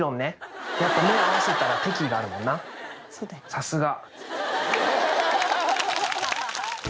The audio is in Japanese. さすが。